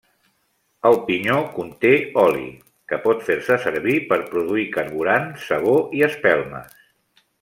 El pinyó conté oli, que pot fer-se servir per produir carburant, sabó i espelmes.